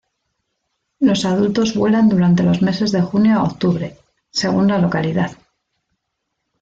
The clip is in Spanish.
Los adultos vuelan durante los meses de junio a octubre, según la localidad.